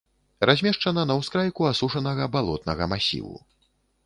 Размешчана на ўскрайку асушанага балотнага масіву.